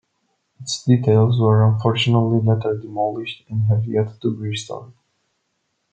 Its details were unfortunately later demolished and have yet to be restored.